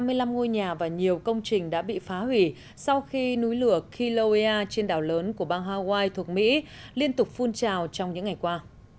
trong hai mươi năm ngôi nhà và nhiều công trình đã bị phá hủy sau khi núi lửa kiloia trên đảo lớn của bang hawaii thuộc mỹ liên tục phun trào trong những ngày qua